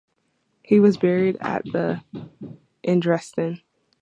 He was buried at the in Dresden.